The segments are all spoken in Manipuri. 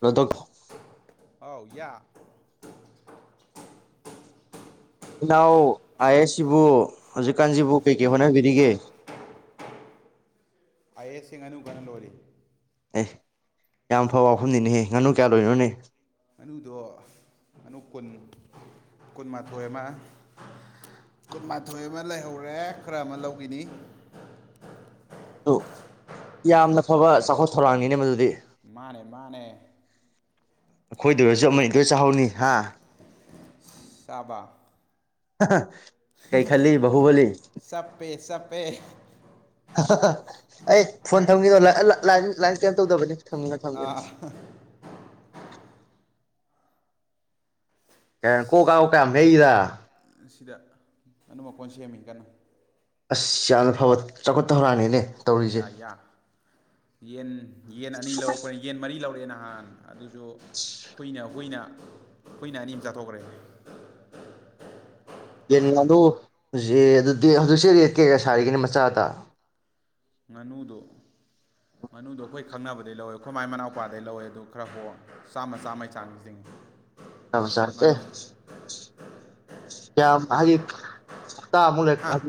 ꯄꯗ ꯀ ꯑꯥꯎ ꯌꯥ ꯏꯅꯥꯎ ꯑꯌꯦ ꯁꯤꯕꯨ ꯍꯧꯖꯤꯛꯀꯥꯟꯁꯤꯕꯨ ꯀꯩꯀꯩ ꯍꯣꯠꯅꯕꯤꯔꯤꯒꯦ ꯑꯌꯦ ꯁꯤ ꯉꯅꯨ ꯀꯅ ꯂꯣꯔꯤ ꯑꯦ ꯌꯥꯝ ꯐꯕ ꯋꯥꯐꯝꯅꯤꯅꯦꯍꯦ ꯉꯥꯅꯨ ꯀꯌꯥ ꯂꯣꯏꯅꯣꯅꯦ ꯑꯅꯨꯗꯣ ꯉꯅꯨ ꯀꯨꯟ ꯀꯨꯟꯃꯥꯊꯣꯏ ꯑꯃ ꯀꯨꯟꯃꯥꯊꯣꯏ ꯑꯃ ꯂꯩꯍꯧꯔꯦ ꯈꯔ ꯑꯃ ꯂꯧꯈꯤꯅꯤ ꯑꯗꯨ ꯌꯥꯝꯅ ꯐꯕ ꯆꯥꯎꯈꯠ ꯊꯧꯔꯥꯡꯅꯤꯅꯦ ꯃꯗꯨꯗꯤ ꯃꯥꯅꯦ ꯃꯥꯅꯦ ꯑꯩꯈꯣꯏꯗꯨꯗꯁꯨ ꯑꯃ ꯑꯗꯨ ꯆꯥꯛꯍꯥꯎꯅꯤ ꯍꯥ ꯆꯕ ꯀꯩ ꯈꯜꯂꯤ ꯍꯎꯕꯣꯂꯤ ꯄ꯭ꯂꯦ ꯑꯩ ꯐꯣꯟ ꯊꯝꯈꯤꯗꯣ ꯂꯥꯏꯟ ꯀꯩꯅꯝ ꯇꯧꯗꯕꯅꯤ ꯊꯝꯈꯤꯅꯣ ꯊꯝꯈꯤꯅꯣ ꯑꯥ ꯀ ꯀꯣ ꯀꯥ ꯑꯣ ꯀꯥ ꯃꯗ ꯁꯤꯗ ꯑꯗꯨꯅꯝꯃꯛ ꯀꯣꯟ ꯁꯦꯝꯃꯤ ꯀꯟꯅꯨ ꯑꯁ ꯌꯥꯝꯅ ꯐꯕ ꯆꯥꯎꯈꯠꯇ ꯍꯧꯔꯛꯑꯅꯤꯅꯦ ꯇꯧꯔꯤꯁꯦ ꯌꯥ ꯌꯥ ꯌꯦꯟ ꯌꯦꯟ ꯑꯅꯤ ꯂꯧꯔꯛꯄꯅꯤ ꯌꯦꯟ ꯃꯔꯤ ꯂꯧꯔꯛꯑꯦꯅ ꯅꯍꯥꯟ ꯑꯗꯨꯁꯨ ꯀꯨꯏꯅ ꯍꯨꯏꯅ ꯍꯨꯏꯅ ꯑꯅꯤꯝ ꯆꯥꯊꯣꯛꯈ꯭ꯔꯦ ꯌꯦꯟ ꯉꯥꯗꯣ ꯑꯗꯨ ꯍꯧꯖꯤꯛꯁꯦ ꯔꯦꯠ ꯀꯌꯥ ꯀꯌꯥ ꯁꯥꯔꯤꯒꯦꯅꯤ ꯃꯆꯥꯗ ꯉꯥꯅꯨꯗ ꯉꯥꯅꯨꯗꯣ ꯑꯩꯈꯣꯏ ꯈꯪꯅꯕꯗꯩ ꯂꯧꯋꯦ ꯑꯩꯈꯣꯏ ꯃꯥꯏ ꯃꯅꯥꯎꯄꯥꯗꯒꯤꯩ ꯂꯧꯋꯦ ꯑꯗꯨ ꯈꯔ ꯍꯣꯡꯉ ꯆꯥꯝꯃ ꯆꯥꯃꯩ ꯆꯥꯡꯁꯤꯡ ꯇꯕꯁꯔꯇꯦ ꯀ ꯍꯥꯏꯒꯤ ꯇ ꯑꯃꯨꯂ ꯍꯥ ꯑꯗꯨ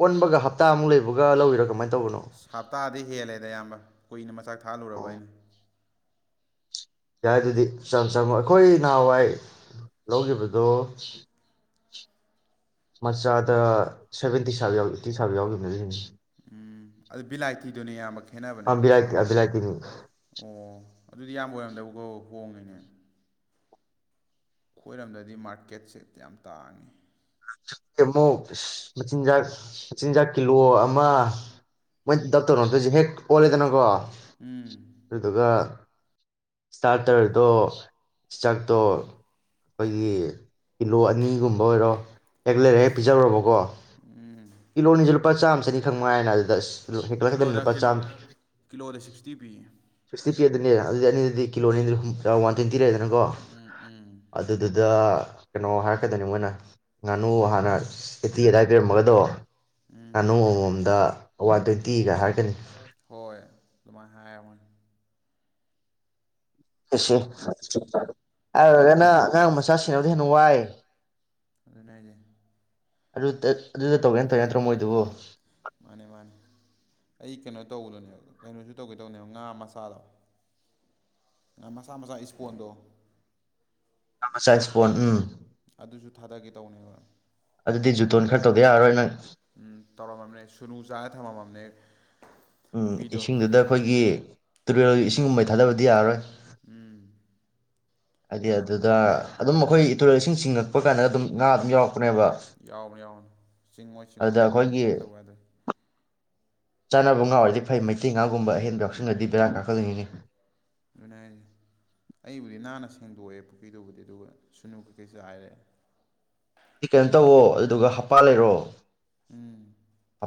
ꯑꯣꯟꯕꯒ ꯍꯞꯇꯥꯃꯨꯛ ꯂꯩꯕꯒ ꯂꯧꯕꯤꯔꯥ ꯀꯃꯥꯏꯅ ꯇꯧꯕꯅꯣ ꯍꯞꯇꯥꯗꯤ ꯍꯦꯜꯂꯦꯗ ꯑꯌꯥꯝꯕ ꯀꯨꯏꯅ ꯃꯆꯥꯛ ꯊꯥꯜꯂꯨꯔꯕ ꯑꯣ ꯑꯅꯤ ꯌꯥꯏ ꯑꯗꯨꯗꯤ ꯆꯝ ꯆꯝꯃꯣ ꯑꯩꯈꯣꯏ ꯅꯍꯥꯟꯋꯥꯏ ꯂꯧꯈꯤꯕꯗꯣ ꯃꯆꯥꯗ ꯁꯚꯦꯟꯇꯤ ꯁꯥꯕ ꯌꯥꯇꯤ ꯁꯥꯕ ꯌꯥꯎꯈꯤꯕꯅꯦ ꯑꯗꯨ ꯍꯅꯤ ꯎꯝ ꯑꯗꯨ ꯕꯤꯂꯥꯏꯇꯤꯗꯨꯅꯦ ꯌꯥꯝꯕ ꯈꯦꯠꯅꯕꯅꯦ ꯑ ꯕꯤꯂꯥꯏꯇꯤ ꯕꯤꯂꯥꯏꯇꯤꯅꯤ ꯑꯣ ꯑꯗꯨꯗꯤ ꯌꯥꯝꯕ ꯑꯣꯏꯔꯝꯗꯕꯀꯣ ꯑꯍꯣꯡꯅ ꯑꯩꯈꯣꯏꯔꯝꯗꯗꯤ ꯃꯥꯔꯀꯦꯠꯁꯦ ꯌꯥꯝ ꯇꯥꯡꯉꯤ ꯑꯃꯨꯛ ꯃꯆꯤꯟꯖꯥꯛ ꯃꯆꯤꯟꯖꯥꯛ ꯀꯤꯂꯣ ꯑꯃ ꯃꯣꯏ ꯗꯞ ꯇꯧꯅꯣ ꯅꯠꯇꯣꯏꯁꯦ ꯍꯦꯛ ꯑꯣꯜꯂꯦꯗꯅꯀꯣ ꯎꯝ ꯍꯗꯨꯒ ꯏꯁꯇꯥꯔꯇꯔꯗꯣ ꯏꯁꯇꯛꯇꯣ ꯑꯩꯈꯣꯏꯒꯤ ꯀꯤꯂꯣ ꯑꯅꯤꯒꯨꯝꯕ ꯑꯣꯏꯔꯣ ꯍꯦꯛ ꯂꯩꯔꯦ ꯍꯦꯛ ꯄꯤꯖꯔꯨꯔꯕꯀꯣ ꯏꯂꯣꯅꯤ ꯆꯜ ꯂꯨꯄꯥ ꯆꯥꯝꯃꯁꯤꯅꯤ ꯈꯪꯕ ꯍꯥꯏꯅ ꯑꯗꯨꯗ ꯑꯁ ꯀꯤꯂꯣꯗ ꯀꯤꯂꯣꯗ ꯁꯤꯛꯁꯇꯤ ꯄꯤ ꯁꯤꯤ ꯄꯤ ꯑꯗꯨꯅꯦ ꯑꯗꯨꯗꯤꯅꯤꯗꯤꯤꯣ ꯑꯅꯤ ꯄꯤꯔꯦꯗꯅꯀꯣ ꯎꯝ ꯎꯝ ꯑꯗꯨꯗꯨꯗ ꯀꯩꯅꯣ ꯍꯥꯏꯔꯛꯀꯗꯣꯏꯅꯤ ꯃꯣꯏꯅ ꯉꯥꯅꯨ ꯍꯥꯟꯅ ꯑꯦꯇꯤ ꯑꯗꯨꯗꯥꯏ ꯄꯤꯔꯝꯃꯒꯗꯣ ꯉꯥꯅꯨ ꯑꯃꯃꯣꯝꯗ ꯋꯥꯟ ꯇ꯭ꯋꯦꯟꯇꯤꯒ ꯍꯥꯏꯔꯒꯅꯤ ꯍꯣꯏ ꯑꯗꯨꯃꯥꯏꯅ ꯍꯥꯏꯃꯅꯤ ꯑꯦꯁꯦ ꯍꯥꯏꯔꯒꯅ ꯑꯉꯥꯡ ꯃꯆꯥꯁꯤꯡ ꯦꯟꯅꯨꯡ ꯋꯥꯏ ꯑꯗꯨꯅꯗꯤ ꯑꯗꯨ ꯑꯗꯨꯗ ꯇꯧꯒꯦꯅ ꯇꯧꯦ ꯅꯠꯇ꯭ꯔꯣ ꯃꯣꯏꯗꯨꯕꯨ ꯃꯥꯅꯦ ꯃꯥꯅꯦ ꯑꯩ ꯀꯩꯅꯣ ꯇꯧꯕꯗꯨꯅꯦꯕ ꯀꯩꯅꯣꯁꯨ ꯇꯧꯒꯦ ꯇꯧꯕꯅꯦꯕ ꯉꯥ ꯃꯆꯥꯗꯣ ꯉꯥ ꯃꯆꯥ ꯃꯆꯥ ꯏꯁꯄꯣꯟꯗꯣ ꯃꯆꯥ ꯏꯁꯄꯣꯟ ꯎꯝ ꯑꯗꯨꯁꯨ ꯊꯥꯗꯒꯦ ꯇꯧꯅꯦꯕ ꯑꯗꯨꯗꯤ ꯖꯨꯇꯣꯟ ꯈꯔ ꯇꯧꯗ ꯌꯥꯔꯣꯏ ꯅꯪ ꯎꯝ ꯇꯧꯔꯝꯃꯕꯅꯦ ꯁꯨꯅꯨ ꯆꯥꯔ ꯊꯝꯃꯝꯃꯕꯅꯦ ꯎꯝ ꯄꯨꯈ꯭ꯔꯤꯗꯣ ꯏꯁꯤꯡꯗꯨꯗ ꯑꯩꯈꯣꯏꯒꯤ ꯇꯨꯔꯦꯜ ꯏꯁꯤꯡꯒꯨꯝꯕꯩ ꯊꯥꯗꯕꯗꯤ ꯌꯥꯔꯣꯏ ꯎꯝ ꯍꯥꯏꯗꯤ ꯑꯗꯨꯗ ꯑꯗꯨꯝ ꯑꯩꯈꯣꯏꯇꯨꯔꯦꯜꯁꯤꯡ ꯆꯤꯡꯉꯛꯄ ꯀꯥꯟꯗ ꯑꯗꯨꯝ ꯉꯥ ꯑꯗꯨ ꯌꯥꯎ ꯌꯥꯎꯔ ꯌꯥꯎꯔꯅꯤ ꯆꯤꯡꯉꯣꯏ ꯆꯤꯡꯉꯣꯏ ꯑꯗꯨꯗ ꯑꯗꯨꯗꯤ ꯑꯩꯈꯣꯏꯒꯤ ꯀꯩꯝ ꯇꯧꯋꯦ ꯑꯗꯨꯗꯤ ꯆꯥꯅꯕ ꯉꯥ ꯑꯣꯏꯔꯗꯤ ꯐꯩ ꯃꯩꯇꯩ ꯉꯥꯒꯨꯝꯕ ꯑꯍꯦꯟꯕ ꯌꯥꯎꯁꯜꯂꯗꯤ ꯕꯦꯔꯥꯛ ꯉꯥꯛꯀꯜꯂꯤꯉꯤꯅꯤ ꯑꯗꯨꯅ ꯍꯥꯏꯁꯦ ꯑꯩꯕꯨꯗꯤ ꯅꯥꯟꯅ ꯁꯦꯡꯗꯣꯛꯑꯦ ꯄꯨꯈ꯭ꯔꯤꯗꯨꯕꯨꯗꯤ ꯑꯗꯨꯒ ꯁꯨꯅꯨ ꯀꯩꯀꯩꯁꯨ ꯍꯥꯏꯔꯦ ꯑꯗꯨꯗꯤ ꯀꯩꯅꯣ ꯇꯧꯋꯣ ꯑꯗꯨꯗꯨꯒ ꯍꯞꯄꯥ ꯂꯩꯔꯣ ꯎꯝ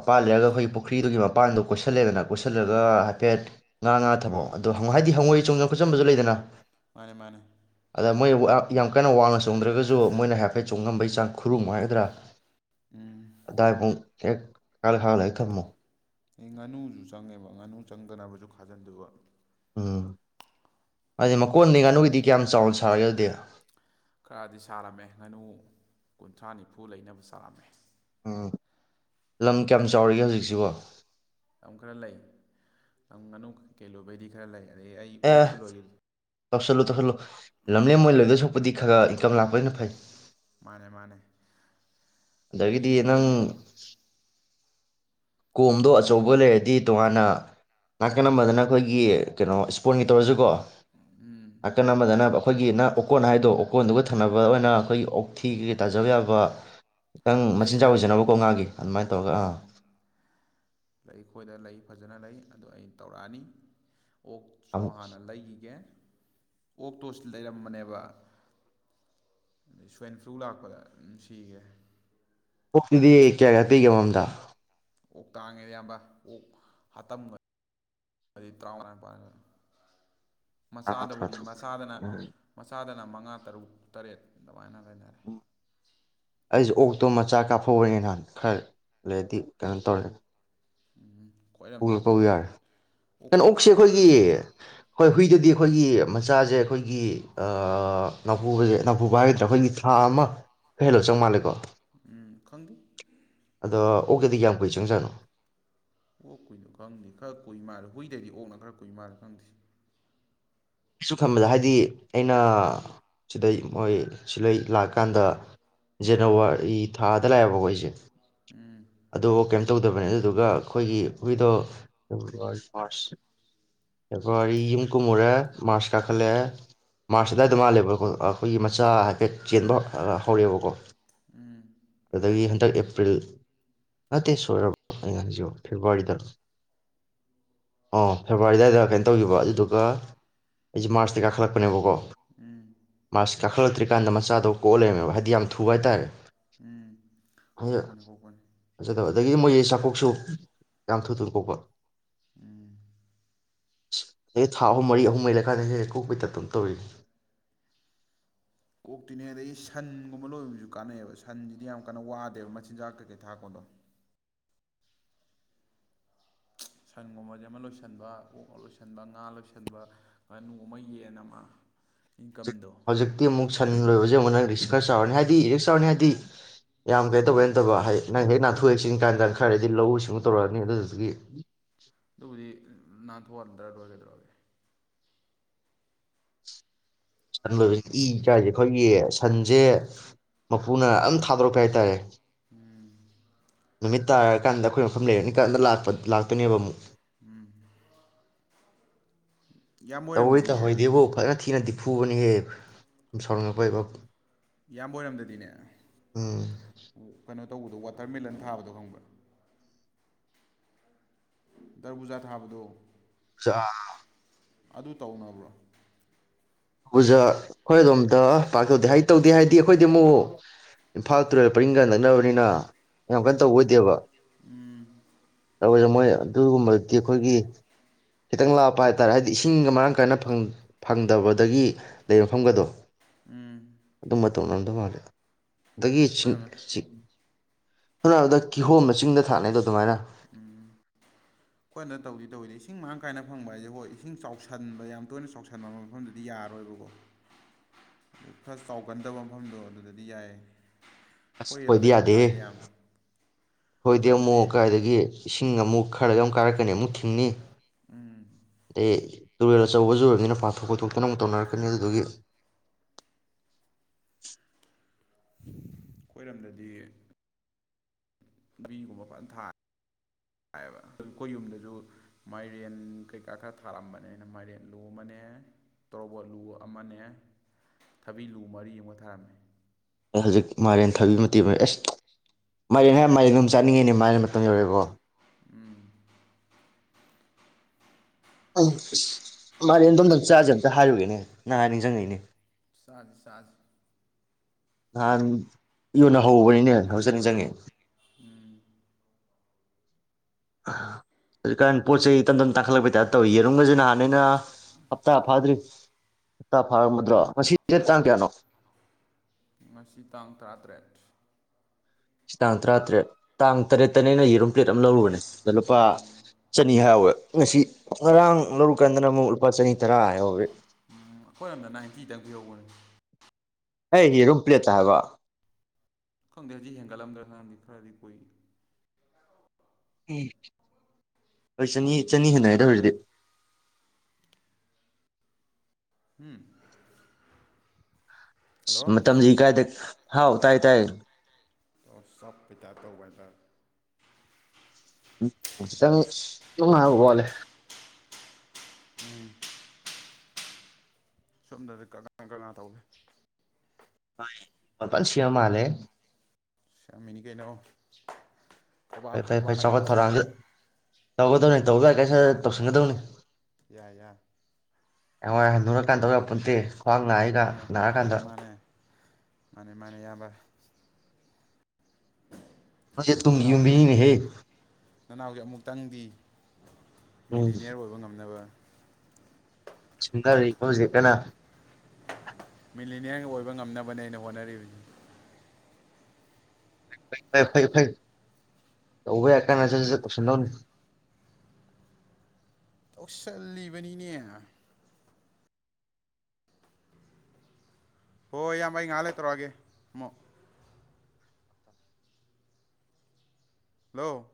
ꯄꯥ ꯂꯩꯔꯒ ꯑꯩꯈꯣꯏ ꯄꯨꯈ꯭ꯔꯤꯗꯨꯒꯤ ꯃꯄꯥꯟꯗꯨꯣ ꯀꯣꯏꯁꯜꯂꯦꯗꯅ ꯀꯣꯏꯁꯤꯜꯂꯒ ꯍꯥꯏꯐꯦꯠ ꯉꯥ ꯉꯥ ꯊꯕꯛꯑꯣ ꯑꯗꯣ ꯍꯥꯏꯗꯤ ꯍꯉꯣꯏ ꯆꯣꯡꯅ ꯈꯨꯣꯠꯆꯟꯕꯁꯨ ꯂꯩꯗꯅ ꯃꯥꯅꯦ ꯃꯥꯅꯦ ꯑ ꯃꯣꯏ ꯌꯥꯝ ꯀꯟꯅ ꯋꯥꯡꯅ ꯆꯣꯡꯗ꯭ꯔꯒꯁꯨ ꯃꯣꯏꯅ ꯍꯥꯏꯐꯦꯠ ꯆꯣꯡꯉꯝꯕꯩ ꯆꯥꯡ ꯈꯨꯔꯨꯝꯉꯨ ꯍꯥꯏꯒꯗ꯭ꯔꯥ ꯎꯝ ꯑꯗ [inaudible] [unintelligible] ꯍ [unintelligible] ꯀꯜ ꯍꯜ ꯑꯦ ꯊꯃꯣ ꯑꯩ ꯉꯥꯅꯨꯁꯨ ꯆꯪꯉꯦꯕ ꯉꯥꯅꯨ ꯆꯪꯗꯅꯕꯁꯨ ꯈꯥꯖꯤꯟꯗꯕ ꯎꯝ ꯑꯗꯨꯩ ꯃꯀꯣꯟꯅꯤ ꯉꯥꯅꯨꯒꯤꯗꯤ ꯀꯌꯥꯝ ꯆꯥꯎꯁꯦ ꯁꯔꯗꯌꯥ [unintelligible] ꯈꯔꯗꯤ ꯁꯥꯔꯝꯃꯦ ꯉꯥꯅꯨ ꯀꯨꯟꯊ꯭ꯔꯥ ꯅꯤꯐꯨ ꯂꯩꯅꯕ ꯁꯥꯔꯝꯃꯦ ꯎꯝ ꯂꯝ ꯀꯌꯥꯝ ꯆꯥꯎꯔꯤꯒꯦ ꯍꯧꯖꯤꯛꯁꯤꯕꯣ ꯑꯗꯨꯝ ꯀꯦꯂꯣꯕꯗꯤ ꯈꯔ ꯂꯩ ꯑꯗ ꯑꯩ ꯑꯦ ꯑꯣꯛꯁꯨ ꯂꯣꯏꯢ [unintelligible] ꯇꯧꯁꯜꯂꯨ ꯇꯧꯁꯜꯂꯨ ꯂꯝꯂꯦꯝ ꯃꯣꯏ ꯂꯩꯣꯏꯗꯁꯨ ꯄꯨꯕꯨꯗꯤ ꯈꯔ ꯏꯟꯀꯝ ꯂꯥꯛꯄꯅ ꯐꯩ ꯃꯥꯅꯦ ꯃꯥꯅꯦ ꯑꯗꯒꯤꯗꯤ ꯑꯩꯒꯤ ꯅꯪ ꯌꯦꯟ ꯀꯣꯝꯗꯣ ꯑꯆꯧꯕ ꯌꯦꯟ ꯂꯩꯔꯗꯤ ꯇꯣꯉꯥꯟꯅ ꯅꯥꯀ ꯅꯝꯕꯗꯅ ꯑꯩꯈꯣꯏꯒꯤ ꯀꯩꯅꯣ ꯏꯁꯄꯣꯟꯒꯤ ꯇꯧꯔꯁꯨꯀꯣ ꯎꯝ ꯑꯀꯅꯝꯕꯗꯅ ꯑꯩꯈꯣꯏꯒꯤ ꯅ ꯑꯣꯀꯣꯟ ꯍꯥꯏꯗꯣ ꯑꯣꯀꯣꯟꯗꯨꯒ ꯊꯟꯅꯅꯕ ꯑꯣꯏꯅ ꯑꯩꯈꯣꯏꯒꯤ ꯑꯣꯛꯊꯤ ꯀꯩ ꯇꯥꯖꯕ ꯌꯥꯕ ꯈꯤꯇꯪ ꯂꯩ ꯃꯆꯤꯟꯖꯥꯛ ꯂꯩ ꯂꯩ ꯑꯣꯏꯖꯅꯕꯀꯣ ꯉꯥꯒꯤ ꯑꯗꯨꯃꯥꯏꯅ ꯇꯧꯔꯒ ꯑꯥ ꯎꯝ ꯂꯩ ꯈꯣꯏꯗ ꯂꯩ ꯐꯖꯅ ꯂꯩ ꯑꯗꯨ ꯑꯩ ꯇꯧꯔꯛꯑꯅꯤ ꯑꯣꯛ ꯁꯣ ꯍꯥꯟꯅ ꯂꯩꯈꯤꯒꯦ ꯑꯣꯛꯇꯣꯁ ꯂꯩꯔꯝꯕꯅꯦꯕ ꯑꯗꯩ ꯁ꯭ꯋꯥꯏꯟ ꯐ꯭ꯂꯨ ꯂꯥꯛꯄꯗ ꯑꯗꯨꯝ ꯁꯤꯒꯦ ꯑꯣꯛꯇꯨꯗꯤ ꯀꯌꯥ ꯀꯌꯥ ꯄꯤꯔꯤꯒꯦ ꯑꯃꯝ ꯃꯝꯗ ꯑꯣꯛ ꯇꯥꯡꯉꯦꯗꯤ ꯑꯌꯥꯝꯕ ꯑꯣꯛ ꯍꯥꯇꯝꯒ ꯇꯔꯥꯃꯉꯥ ꯅꯤꯄꯥꯜꯅꯤ ꯇꯔꯥꯃꯉꯥ ꯃꯆꯥꯗꯕꯨꯗꯤ ꯇꯔꯥꯇꯔꯨꯛ ꯃꯆꯥꯗꯅ ꯎꯝ ꯃꯆꯥꯗꯅ ꯃꯉꯥ ꯇꯔꯨꯛ ꯇꯔꯦꯠ ꯑꯗꯨꯃꯥꯏꯅ ꯂꯩ ꯎꯝ ꯑꯩꯁꯦ ꯑꯣꯛꯇꯣ ꯃꯆꯥ ꯀꯥꯞꯐꯧꯅꯦ ꯅꯍꯥꯟ ꯈꯔ ꯂꯩꯗꯤ ꯀꯩꯅꯣ ꯇꯧꯔꯦ ꯎꯝ ꯄꯨꯔ ꯈ꯭ꯋꯥꯏꯔꯝꯗꯗꯤ ꯄꯨ ꯑꯣꯛ ꯌꯥꯔꯦ ꯑꯣꯛ ꯀꯩꯅꯣ ꯐꯖꯅ ꯑꯣꯛꯁꯦ ꯇꯥꯡꯉꯦ ꯑꯩꯈꯣꯏꯒꯤ ꯑꯩꯈꯣꯏꯔꯣꯝꯗꯗꯤ ꯍꯣꯏ ꯍꯨꯏ ꯁꯤꯗꯗꯤ ꯑꯩꯈꯣꯏꯒꯤ ꯃꯆꯥꯁꯦ ꯑꯩꯈꯣꯏꯒꯤ ꯅꯦꯎꯄꯨꯕꯖꯦ ꯍꯥꯏꯗꯤ ꯅꯥꯄꯨꯕ ꯍꯥꯏꯒꯗ꯭ꯔꯥ ꯑꯩꯈꯣꯏꯒꯤ ꯊꯥ ꯑꯃ ꯈꯔ ꯍꯦꯜꯂꯣ ꯆꯪ ꯃꯥꯜꯂꯦꯀꯣ ꯎꯝ ꯈꯪꯗꯦ ꯑꯗ ꯑꯣꯀꯦꯗꯤ ꯀꯌꯥꯝ ꯀꯨꯏ ꯆꯪꯖꯥꯠꯅꯨ ꯑꯣꯛ ꯀꯨꯏꯅꯣ ꯈꯪꯗꯦ ꯈꯔ ꯀꯨꯏ ꯃꯥꯜꯂꯦ ꯍꯨꯏꯗꯩꯗꯤ ꯑꯣꯛꯅ ꯈꯔ ꯀꯨꯏ ꯃꯥꯜꯂꯦ ꯈꯪꯗꯦ ꯑꯁꯨ ꯈꯟꯕꯗ ꯍꯥꯏꯗꯤ ꯑꯩꯅ ꯁꯤꯗꯩ ꯃꯣꯏ ꯁꯤꯂꯩ ꯂꯥꯛꯀꯥꯟꯗ ꯖꯅꯋꯥꯔꯤ ꯊꯥꯗ ꯂꯥꯛꯑꯦꯕ ꯀꯣ ꯑꯩꯁꯦ ꯎꯝ ꯑꯗꯨꯕꯨ ꯀꯩꯝ ꯇꯧꯗꯕꯅꯦ ꯑꯗꯨꯗꯨꯒ ꯑꯩꯈꯣꯏꯒꯤ ꯍꯨꯏꯗꯣ ꯐꯦꯕꯨꯋꯥꯔꯤ ꯃꯥꯔꯁ ꯐꯦꯕ꯭ꯔꯨꯋꯥꯔꯤ ꯌꯨꯝ ꯀꯨꯝꯃꯨꯔꯦ ꯃꯥꯔꯁ ꯀꯥꯈꯠꯂꯛꯑꯦ ꯃꯥꯔꯁ ꯑꯗꯨꯗꯥꯏꯗ ꯃꯥꯜꯂꯦꯕ ꯑꯩꯈꯣꯏꯒꯤ ꯃꯆꯥ ꯍꯥꯏꯐꯦꯠ ꯆꯦꯟꯕ ꯍꯧꯔꯛꯑꯦꯕꯀꯣ ꯎꯝ ꯀꯗꯒꯤ ꯗ ꯑꯦꯄ꯭ꯔꯤꯜ ꯅꯠꯇꯦ ꯁꯣꯏꯔꯕ ꯑꯩꯅ ꯉꯥꯡꯉꯤꯁꯤꯕꯣ ꯐꯦꯕꯋꯥꯔꯤꯗ ꯑꯣ ꯐꯦꯕꯋꯥꯔꯤ ꯑꯗꯨꯋꯥꯏꯗ ꯀꯩꯅꯣ ꯇꯧꯈꯤꯕ ꯑꯗꯨꯗꯨꯒ ꯑꯩꯁꯦ ꯃꯥꯔꯁꯇ ꯀꯥꯈꯠꯂꯛꯄꯅꯦꯕꯀꯣ ꯎꯝ ꯃꯥꯁ ꯀꯥꯈꯠꯂꯛꯇ꯭ꯔꯤꯀꯥꯟꯗ ꯃꯆꯥꯗꯣ ꯀꯣꯛ ꯂꯩꯦꯃꯦꯕ ꯍꯥꯏꯗꯤ ꯌꯥꯝ ꯊꯨꯕ ꯍꯥꯏꯇꯥꯔꯦ ꯎꯝ ꯀꯣꯛꯄꯅꯤ ꯀꯣꯛꯄꯅꯤ ꯐꯖꯗꯕ ꯑꯗꯒꯤꯗꯤ ꯃꯣꯏ ꯆꯥꯛꯀꯣꯛꯁꯨ ꯌꯥꯝ ꯊꯨ ꯊꯨꯅ ꯀꯣꯛꯄ ꯎꯝ ꯑꯦ ꯊꯥ ꯑꯍꯨꯝ ꯃꯔꯤ ꯑꯍꯨꯝ ꯂꯩꯩ ꯂꯩꯀꯥꯏꯗ ꯍ ꯀꯣꯛꯄꯩ ꯇꯥꯏꯄꯇ ꯑꯗꯨꯝ ꯇꯧꯔꯤꯅꯤ ꯑꯣꯛꯇꯤꯅꯦ ꯑꯗꯩꯗꯒꯤ ꯁꯟꯒꯨꯝꯕ ꯂꯣꯏꯕꯁꯨ ꯀꯥꯟꯅꯩꯑꯕ ꯁꯟꯁꯤꯗꯤ ꯌꯥꯝ ꯀꯟꯅ ꯋꯥꯗꯦꯕ ꯃꯆꯤꯟꯖꯥꯛ ꯀꯩꯀꯩ ꯊꯥꯀꯣꯟꯗꯣ ꯁꯟꯒꯨꯝꯕꯁꯦ ꯑꯃ ꯂꯣꯏꯁꯤꯟꯕ ꯑꯣꯛ ꯑꯃ ꯂꯣꯏꯁꯤꯟꯕ ꯉꯥ ꯂꯣꯏꯁꯤꯟꯕ ꯉꯥꯅꯨ ꯑꯃ ꯌꯦꯟ ꯑꯃ ꯏꯟꯀꯝꯗꯣ ꯍꯧꯖꯤꯛꯇꯤ ꯑꯃꯨꯛ ꯑꯝꯇꯪꯗ ꯁꯟ ꯂꯣꯏꯕꯁꯦ ꯑꯃꯛ ꯅꯪ ꯔꯤꯛꯁꯀꯔꯁ ꯆꯥꯎꯔꯅꯤ ꯍꯥꯏꯔꯗꯤ ꯛꯁ ꯆꯥꯎꯔꯅꯤ ꯍꯥꯏꯗꯤ ꯌꯥꯝ ꯀꯩ ꯇꯧꯕꯩꯅꯠꯇꯕ ꯍꯥꯏ ꯅꯪ ꯍꯦ ꯅꯥꯊꯣꯛꯑꯦꯛꯁꯤ ꯀꯥꯟꯗ ꯈꯔꯗꯤ ꯂꯧꯎ ꯁꯤꯡꯎ ꯇꯧꯔꯛꯑꯅꯤ ꯑꯗꯨꯗꯨꯗꯒꯤ ꯑꯗꯨꯕꯨꯗꯤ ꯅꯍꯥꯟ ꯊꯣꯛꯍꯝꯗ꯭ꯔꯔꯣꯏꯒꯗ꯭ꯔꯒꯦ [unintelligible] ꯁꯟ ꯂꯣꯏꯕ ꯏ ꯀꯥꯏꯁꯦ ꯑꯩꯈꯣꯏꯒꯤ ꯁꯟꯁꯦ ꯃꯄꯨꯅ ꯑꯝ ꯊꯥꯗꯣꯔꯛꯀꯦ ꯍꯥꯏꯇꯥꯔꯦ ꯎꯝ ꯅꯨꯃꯤꯠ ꯇꯥꯔꯀꯥꯟꯗ ꯑꯩꯈꯣꯏ ꯃꯐꯝ ꯂꯩꯔꯅꯤꯀꯥꯟꯗ ꯂꯥꯛꯄ ꯂꯥꯛꯇꯣꯏꯅꯦꯕ ꯑꯃꯨꯛ ꯎꯝ ꯌꯥꯝ ꯑꯣꯏꯔꯝꯗꯗꯤꯅꯦ ꯊꯤꯔꯗꯤ ꯐꯨꯕꯅ ꯍꯦ [unintelligible] ꯄꯣꯏꯕ ꯏꯌꯥꯝꯕ ꯑꯣꯏꯔꯝꯗꯗꯤꯅꯦ ꯀꯩꯅꯣ ꯇꯧꯕꯗꯣ ꯋꯥꯇꯔꯃꯦꯂꯟ ꯊꯥꯕꯗꯣ ꯈꯪꯕ꯭ꯔꯥ ꯗꯔꯕꯨꯖꯥ ꯊꯥꯕꯗꯣ ꯆꯥ ꯑꯗꯨ ꯇꯧꯅꯕ꯭ꯔꯣ ꯑꯣꯖꯥ ꯑꯩꯈꯣꯏ ꯑꯗꯣꯝꯗ ꯄꯥꯛꯇꯧꯗꯦ ꯍꯥꯏ ꯇꯧꯗꯦ ꯍꯥꯏꯗꯤ ꯑꯩꯈꯣꯏꯗꯤ ꯑꯃꯨꯛ ꯏꯝꯐꯥꯜ ꯇꯨꯔꯦꯜ ꯄꯔꯤꯡꯒ ꯅꯛꯅꯕꯅꯤꯅ ꯌꯥꯝ ꯀꯟꯅ ꯇꯧꯕ ꯑꯣꯏꯗꯦꯕ ꯎꯝ ꯇꯣꯏꯁꯦ ꯃꯣꯏ ꯑꯗꯨꯒꯨꯝꯕꯗꯤ ꯑꯩꯈꯣꯏꯒꯤ ꯈꯤꯇꯪ ꯂꯥꯞꯄ ꯍꯥꯏꯇꯥꯔꯦ ꯍꯥꯏꯗꯤ ꯏꯁꯤꯡꯒ ꯃꯔꯥꯡ ꯀꯥꯏꯅ ꯐꯪꯗꯕ ꯇꯒꯤ ꯂꯩꯔꯐꯝꯒꯗꯣ ꯎꯝ ꯇꯅꯥꯟꯕ ꯃꯥꯔ ꯑꯗꯨꯗꯒꯤ ꯑꯣꯏꯔꯝꯃꯦ ꯁꯅꯥꯔꯕꯗ ꯀꯤꯍꯣꯝ ꯃ ꯆꯤꯡꯗ ꯊꯥꯛꯅꯩꯗꯣ ꯑꯗꯨꯃꯥꯏꯅ ꯎꯝ ꯑꯩꯈꯣꯏꯅ ꯇꯧꯗꯤ ꯇꯧꯋꯏꯗ ꯏꯁꯤꯡ ꯃꯔꯥꯡ ꯀꯥꯏꯅ ꯐꯪꯕ ꯍꯥꯏꯁꯦ ꯍꯣꯏ ꯏꯁꯤꯡ ꯆꯥꯎꯁꯟꯕ ꯌꯥꯝ ꯇꯣꯏꯅ ꯆꯥꯎꯁꯟꯕ ꯃꯐꯝꯗꯨꯗꯤ ꯌꯥꯔꯣꯏꯕꯀꯣ ꯐꯁ ꯆꯥꯎꯒꯟꯗꯕ ꯃꯐꯝꯗꯣ ꯑꯗꯨꯗꯗꯤ ꯌꯥꯏꯌꯦ ꯑꯁ ꯍꯣꯏꯗꯤ ꯌꯥꯗꯦ ꯍꯣꯏꯗꯦ ꯑꯩꯈꯣꯏꯔꯣꯝꯗꯗꯤ ꯑꯃꯨꯛ ꯀꯥꯏꯗꯒꯤ ꯈꯤꯤꯡ ꯑꯃꯨꯛ ꯈꯔꯗ ꯌꯥꯝ ꯀꯥꯔꯛꯀꯅꯤ ꯑꯃꯨꯛ ꯈꯤꯤꯡꯅꯤ ꯎꯝ ꯎꯝ ꯇꯨꯔꯦꯜ ꯑꯆꯧꯕꯁꯨ ꯑꯣꯏꯔꯕꯅꯤꯅ ꯄꯥꯊꯣꯛ ꯄꯨꯣꯊꯣꯛꯇꯅ ꯑꯃꯨꯛ ꯇꯧꯅꯔꯛꯀꯅꯤ ꯑꯗꯨꯗꯒꯤ ꯑꯩꯈꯣꯏꯔꯣꯝꯗꯗꯤꯕꯤꯒꯨꯝꯕ ꯐꯖꯅ ꯊꯥꯔꯦꯌꯦꯕ ꯑꯗꯨ ꯑꯩꯈꯣꯏ ꯌꯨꯝꯗꯁꯨ ꯃꯥꯏꯔꯦꯟ ꯀꯩꯀꯥ ꯈꯔ ꯊꯥꯔꯝꯕꯅꯤꯅ ꯃꯥꯏꯔꯦꯟ ꯂꯨ ꯑꯃꯅꯦ ꯇꯣꯔꯕꯣꯠ ꯂꯨ ꯑꯃꯅꯦ ꯊꯕꯤ ꯂꯨ ꯃꯔꯤ ꯑꯃ ꯊꯥꯔꯝꯃꯦ ꯑꯩ ꯍꯧꯖꯤꯛ ꯃꯥꯂꯦꯝꯔꯦꯟ ꯊꯥꯕꯤ ꯃꯇꯤ ꯑꯣꯏꯔ ꯑꯦꯁ ꯃꯥ ꯅꯌꯥꯝ ꯃ ꯑꯗꯨꯝ ꯆꯠꯅꯤꯡꯉꯦꯅꯦ ꯃꯥꯥꯏꯅ ꯃꯇꯝ ꯌꯧꯔꯦꯕꯣ ꯎꯝ ꯎꯝ ꯃꯥꯅꯦ ꯑꯗꯣꯝꯗꯪ ꯆꯁꯦ ꯑꯝꯇ ꯍꯥꯏꯔꯨꯒꯦꯅꯦ ꯅꯪꯍꯥꯟ ꯅꯤꯡꯁꯤꯡꯉꯛꯏꯅꯦ ꯁꯥꯖ ꯁꯥꯖ ꯅꯍꯥꯟ ꯌꯣꯟꯅ ꯍꯧꯕꯅꯤꯅꯦ ꯍꯧꯖꯅꯤꯡ ꯆꯪꯉꯤ ꯑꯗꯨ ꯀꯥꯟ ꯄꯣ ꯆꯩ ꯏꯟꯇꯅ ꯇꯥꯠꯂꯛꯄꯩ ꯇꯧꯏꯌꯦ ꯆꯔꯨꯝꯒꯁꯦ ꯅꯍꯥꯟꯅꯦꯩꯅ ꯍꯞꯇꯥ ꯐꯥꯗ꯭ꯔꯤ ꯍꯞꯇꯥ ꯐꯥꯔꯝꯃꯗ꯭ꯔꯣ ꯉꯁꯤ ꯗꯦꯠ ꯇꯥꯡ ꯀꯌꯥꯅꯣ ꯉꯁꯤ ꯇꯥꯡ ꯇꯔꯥꯇꯔꯦꯠ ꯇꯥꯡ ꯇꯔꯥꯇꯔꯦꯠ ꯇꯥꯡ ꯇꯔꯦꯠꯇꯅꯦ ꯑꯩꯅ ꯌꯦꯔꯨꯝ ꯄ꯭ꯂꯦꯠ ꯑꯃ ꯂꯧꯔꯨꯕꯅꯦ ꯑꯗ ꯂꯨꯄꯥ ꯆꯅꯤ ꯍꯥꯏꯍꯧꯋꯦ ꯉꯁꯤ ꯉꯔꯥꯡ ꯂꯧꯔꯨꯀꯥꯟꯗꯅ ꯑꯃꯨꯛ ꯂꯨꯄꯥ ꯆꯅꯤ ꯇꯔꯥ ꯍꯥꯏꯍꯧꯋꯦ ꯎꯝ ꯑꯩꯈꯣꯏꯔꯣꯝꯗ ꯅꯥꯏꯟꯇꯤꯗꯪ ꯄꯤꯍꯧꯕꯅꯦ ꯑꯩꯒꯤ ꯔꯨꯝ ꯄ꯭ꯂꯦꯠꯇ ꯍꯥꯏꯕ ꯈꯪꯗꯦ ꯍꯧꯖꯤꯛ ꯍꯦꯟꯒꯠꯂꯝꯗ꯭ꯔ ꯅꯍꯥꯟꯗꯤ ꯈꯔꯗꯤ ꯀꯨꯏ ꯎꯝ ꯍꯣꯏ ꯆꯅꯤ ꯆꯅꯤ ꯍꯦꯟꯅ ꯍꯥꯏꯗ ꯑꯣꯏꯔꯗꯤ ꯎꯝ ꯍꯜꯂꯣ ꯃꯇꯝꯁꯤ ꯀꯥꯏꯗ ꯍꯥꯎ ꯇꯥꯏ ꯇꯥꯏ ꯑꯣ ꯆꯞꯄꯩꯇ ꯇꯧꯕ ꯍꯥꯏꯗ ꯪ ꯋꯥꯣꯦ ꯎꯝ ꯁꯣꯝꯗꯗꯤ ꯀꯅꯥ ꯀꯅꯥ ꯇꯧꯒꯦ ꯄꯥꯜ ꯁꯌꯥ ꯃꯥꯂꯦ ꯆꯃꯤꯅꯤ ꯀꯩꯅꯣ ꯈꯣꯕꯥ ꯐꯣꯏ ꯐꯔꯦ ꯐꯩ ꯈꯣꯕꯥꯅ ꯀꯟꯅ ꯆꯥꯎꯈꯠ ꯁꯦꯠꯂꯤ ꯊꯧꯔꯥꯡꯗ ꯇꯧꯒꯗꯧꯅꯤ ꯇꯧꯕ ꯌꯥꯏ ꯀꯩꯁꯨ ꯇꯧꯁꯤꯟꯒꯗꯧꯅꯤ ꯌꯥꯏ ꯌꯥꯏ ꯑ ꯅꯔ ꯀꯥꯟꯗꯧ ꯄꯨꯟꯇꯦ ꯈ꯭ꯋꯥꯡ ꯅꯥꯏꯒ ꯅꯥꯔꯀꯥꯟꯗ ꯃꯥꯅꯤ ꯃꯥꯅꯤ ꯏꯑꯕ ꯅꯪꯁꯦ ꯇꯨꯡꯒꯤ ꯅꯅꯥꯎꯁꯦ ꯌꯨꯝꯕꯤꯅꯤꯅꯦꯍꯦ ꯅꯅꯥꯎꯁꯦ ꯑꯃꯨꯛꯇꯪꯗꯤ ꯎꯝ ꯃꯤꯂꯤꯅꯤꯌꯔ ꯑꯣꯏꯕ ꯉꯝꯅꯕ ꯁꯗꯔꯀꯁ ꯀꯦꯅ ꯃꯤꯂꯤꯅꯤꯌꯥꯟ ꯑꯣꯏꯕ ꯉꯝꯅꯕꯅꯦ ꯑꯩꯅ ꯍꯣꯠꯅꯔꯤꯕꯁ ꯐ ꯐꯩ ꯐꯩ ꯐꯩ ꯇꯧꯕ ꯌꯥꯏ ꯀꯥꯟꯗ ꯆꯠꯠ ꯀꯧꯁꯟꯗꯧꯅꯤ ꯆꯂꯤꯕꯅꯤꯅꯦ ꯍꯣꯏ ꯏꯌꯥꯝꯕ ꯑꯩ ꯉꯥꯏꯍꯥꯛ ꯂꯩ ꯇꯧꯔꯛꯑꯒꯦ ꯑꯃꯨꯛ ꯍꯜꯂꯣ